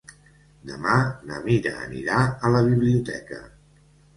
Demà na Mira anirà a la biblioteca.